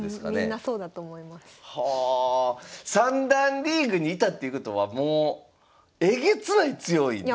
三段リーグにいたっていうことはもうえげつない強いです。